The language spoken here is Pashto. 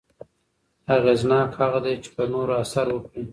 اغېزناک هغه دی چې پر نورو اثر وکړي.